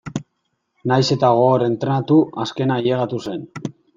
Nahiz eta gogor entrenatu azkena ailegatu zen.